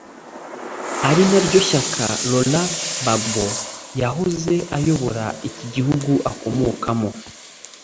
ari naryo shyaka Laurent Gbagbo wahoze ayobora iki gihigu akomokamo